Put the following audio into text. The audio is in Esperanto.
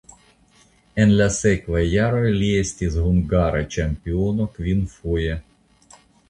En la sekvaj jaroj li estis hungara ĉampiono kvinfoje.